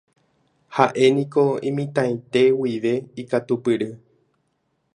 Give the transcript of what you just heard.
Ha'éniko imitãite guive ikatupyry.